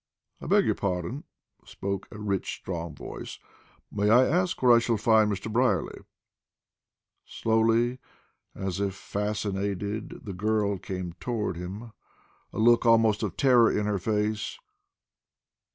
"I beg your pardon," spoke a rich, strong voice. "May I ask where I shall find Mr. Brierly?" Slowly, as if fascinated, the girl came toward him, a look almost of terror in her face.